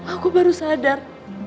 aku baru sadar